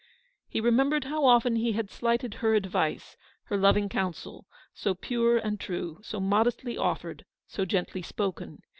He remembered how often he had slighted her advice, her loving counsel, so pure and true, so modestly offered, so gently spoken.